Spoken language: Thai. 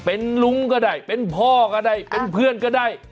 เป็นลุงก็ได้เป็นพ่อก็ได้เป็นเพื่อนก็ได้